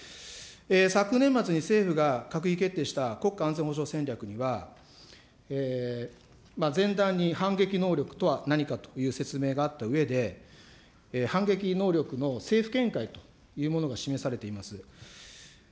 昨年末に政府が閣議決定した国家安全保障戦略には、前段に反撃能力とは何かという説明があったうえで、反撃能力の政府見解というものが示されています。